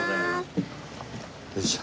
よいしょ。